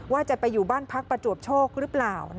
ว่าจะไปอยู่บ้านพักประจวบโชคหรือเปล่า